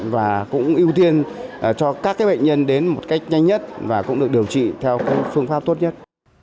và cũng ưu tiên cho các bệnh nhân đến một cách nhanh nhất và cũng được điều trị theo phương pháp tốt nhất